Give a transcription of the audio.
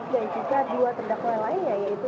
dan juga dua terdakwa lain yaitu